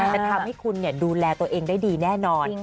จะทำให้คุณดูแลตัวเองได้ดีแน่นอน